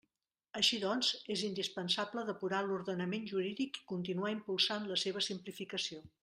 Així doncs, és indispensable depurar l'ordenament jurídic i continuar impulsant la seva simplificació.